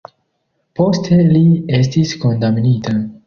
Poste li estis kondamnita.